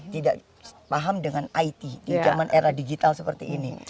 tidak paham dengan it di zaman era digital seperti ini